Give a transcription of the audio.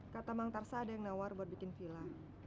kata mang tarsa ada yang nawar buat bikin villa